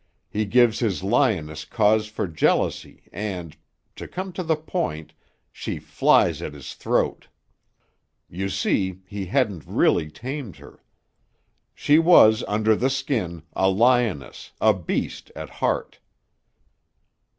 He gives his lioness cause for jealousy and to come to the point she flies at his throat. You see, he hadn't really tamed her. She was under the skin, a lioness, a beast, at heart."